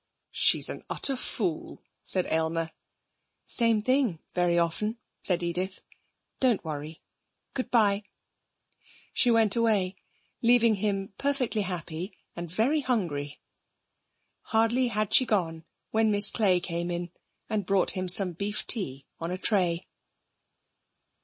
'She's an utter fool,' said Aylmer. 'Same thing, very often,' said Edith. 'Don't worry. Good bye.' She went away, leaving him perfectly happy and very hungry. Hardly had she gone when Miss Clay came in and brought him some beef tea on a tray.